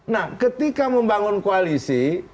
nah ketika membangun koalisi